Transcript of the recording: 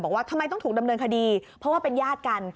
ว่าทำไมต้องถูกดำเนินคดีเพราะว่าเป็นญาติกัน